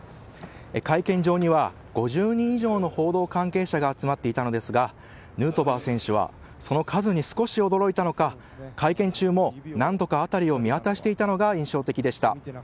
会見場には５０人以上の報道関係者が集まっていたのですがヌートバー選手はその数に少し驚いたのか会見中も何度か辺りを見渡していたのが印象的でした。